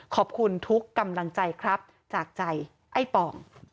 ขอบคุณทุกกำลังใจครับจากใจไอ้ปอง